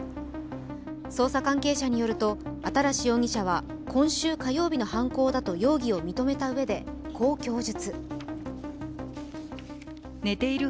捜査関係者によると、新容疑者は今週火曜日の犯行だと容疑を認めたうえでこう供述。